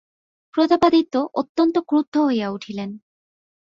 প্রতাপাদিত্য অত্যন্ত ক্রুদ্ধ হইয়া উঠিলেন।